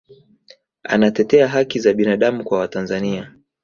anatetea haki za binadamu kwa watanzania